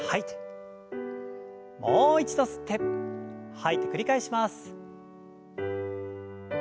もう一度吸って吐いて繰り返します。